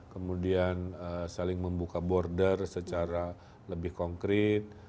kemudian saling membuka border secara lebih konkret